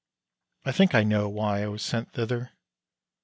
I think I know why I was sent thither.